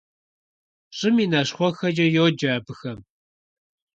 «ЩӀым и нащхъуэхэкӀэ» йоджэ абыхэм.